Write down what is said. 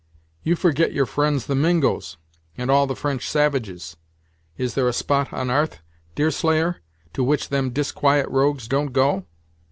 "You forget your friends the Mingos, and all the French savages. Is there a spot on 'arth, Deerslayer, to which them disquiet rogues don't go?